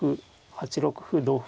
８六歩同歩